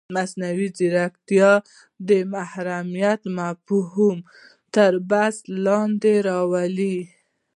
مصنوعي ځیرکتیا د محرمیت مفهوم تر بحث لاندې راولي.